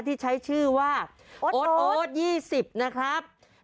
ที่ใช้ชื่อว่าโอ๊ดโอ๊ดยี่สิบนะครับ